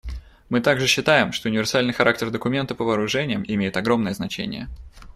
Мы также считаем, что универсальный характер документа по вооружениям имеет огромное значение.